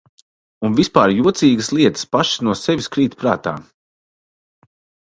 Un vispār jocīgas lietas pašas no sevis krīt prātā.